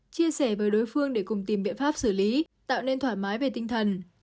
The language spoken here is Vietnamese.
chia sẻ với đối phương để cùng tìm biện pháp xử lý tạo nên thoải mái về tinh thần